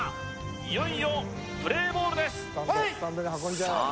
いよいよプレイボールですプレイさあ